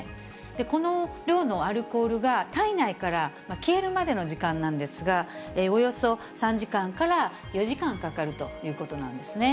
この量のアルコールが体内から消えるまでの時間なんですが、およそ３時間から４時間かかるということなんですね。